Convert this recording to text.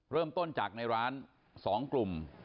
เริ่มต้นจากในร้าน๒กลุ่ม